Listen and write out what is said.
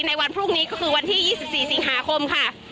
ในวันพรุ่งนี้ก็คือวันที่๒๔สิงหาคมค่ะ